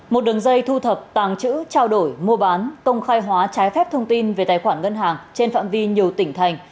một đường dây thu thập tàng chữ trao đổi mua bán công khai hóa trái phép thông tin về tài khoản ngân hàng trên phạm vi nhiều tỉnh thành